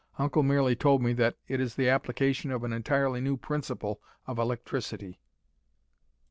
Uncle merely told me that it is the application of an entirely new principle of electricity."